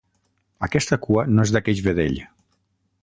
Aquesta cua no és d'aqueix vedell.